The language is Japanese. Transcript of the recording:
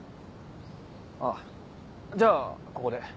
あっじゃあここで。